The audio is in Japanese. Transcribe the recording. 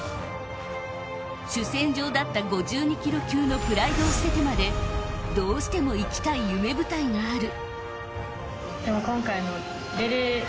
主戦場だった５２キロ級のプライドを捨ててまでどうしても行きたい夢舞台がある。